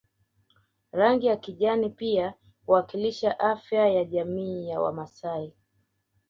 Rangi ya kijani pia huwakilisha afya ya jamii ya Wamasai